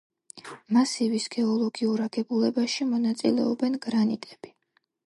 მასივის გეოლოგიურ აგებულებაში მონაწილეობენ გრანიტები.